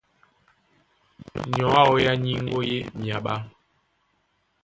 Nyɔ̌ ǎō yá nyíŋgó í e myaɓá.